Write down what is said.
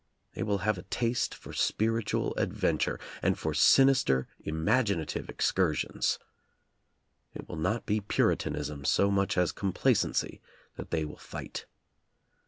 They will have a taste for spiritual adventure, and for sinister imaginative excursions. It will not be Puritanism so much as complacency that they will fight.